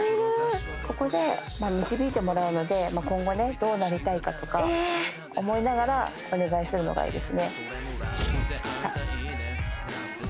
ここで導いてもらえるので今後どうなりたいかとか思いながらお願いするのがいいですね。